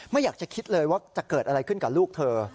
ไม่อยากจะคิดเลยว่าจะเกิดอะไรขึ้นกับลูกเธอ